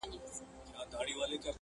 زما له ستوني سلامت سر دي ایستلی؛